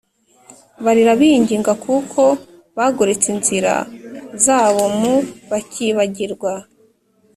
barira binginga kuko bagoretse inzira zabo m bakibagirwa